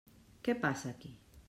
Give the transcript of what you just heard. Què passa aquí?